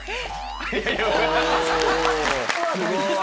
すごい。